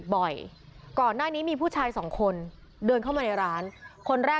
ตกใจค่ะไม่เคยเจอเหมือนกัน